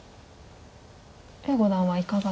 呉五段はいかがでしたか？